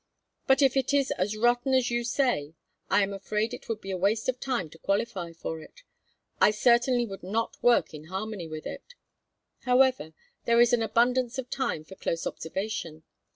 But if it is as rotten as you say I am afraid it would be a waste of time to qualify for it; I certainly could not work in harmony with it. However, there is an abundance of time for close observation.